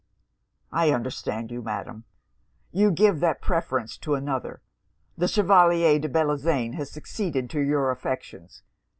'I understand you, Madam! You give that preference to another. The Chevalier de Bellozane has succeeded to your affections.